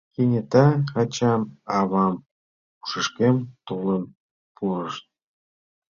Кенета ачам, авам ушышкем толын пурышт.